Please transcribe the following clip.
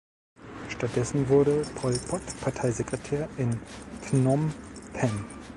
Stattdessen wurde Pol Pot Parteisekretär in Phnom Penh.